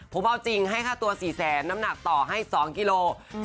ผมเอาจริงให้ค่าตัว๔แสนน้ำหนักต่อให้๒กิโล